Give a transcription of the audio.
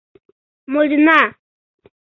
Модына...